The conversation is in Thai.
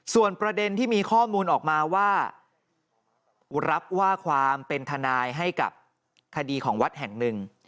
ส่วนประเด็นที่มีข้อมูลออกมาว่ารับว่าความเป็นทนายให้กับคดีของวัดแห่งหนึ่ง